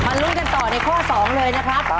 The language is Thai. ลุ้นกันต่อในข้อ๒เลยนะครับ